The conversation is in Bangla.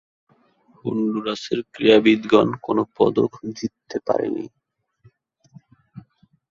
হন্ডুরাসের ক্রীড়াবিদগণ কোন পদক জিততে পারেনি।